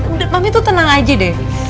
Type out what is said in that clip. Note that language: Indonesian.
udah mami tuh tenang aja deh